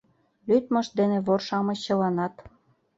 Лӱдмышт дене вор-шамыч чыланат